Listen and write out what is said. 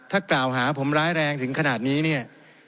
ถ้ากล่าวหาผมร้ายแรงถึงขนาดนี้เนี่ย